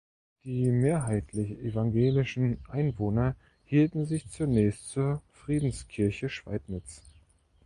Die mehrheitlich evangelischen Einwohner hielten sich zunächst zur Friedenskirche Schweidnitz.